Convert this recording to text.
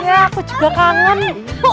iya aku juga kangen